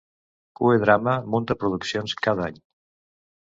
Cue Drama munta produccions cada any.